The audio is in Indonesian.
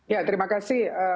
ya terima kasih